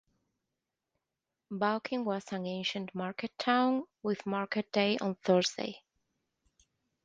Baulking was an ancient market town, with market day on Thursday.